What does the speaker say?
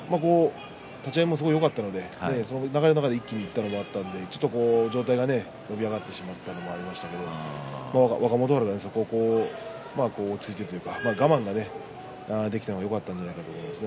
立ち合いがすごくよかったので流れを一気にいったところがあったので上体が伸び上がってしまったのが若元春が、そこをついていく我慢ができたのがよかったんじゃないかと思います